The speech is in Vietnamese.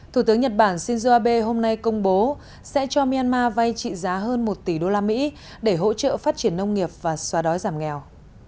thủ tướng nhật bản shinzo abe hôm nay công bố sẽ cho myanmar vay trị giá hơn một tỷ usd để hỗ trợ phát triển nông nghiệp và xóa đói giảm nghèo